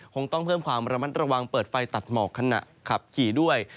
คงต้องเพิ่มความระมัดระวังเปิดไฟตัดหมอกขณะขับขี่ด้วย